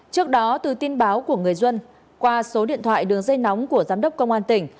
trước đó từ tin báo của người dân qua số điện thoại đường dây nóng của giám đốc công an tỉnh